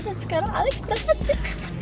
dan sekarang alex berhasil